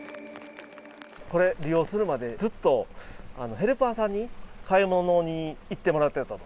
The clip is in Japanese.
これ、利用するまでずっとヘルパーさんに買い物に行ってもらってたと。